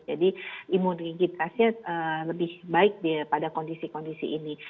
jadi imun rigiditasnya lebih baik pada kondisi kondisi ini